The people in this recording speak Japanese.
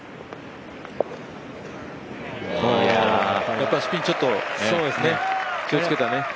やっぱりスピンちょっと気をつけたね。